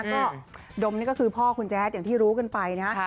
ก็ดมนี่ก็คือพ่อคุณแจ๊ดอย่างที่รู้กันไปนะฮะ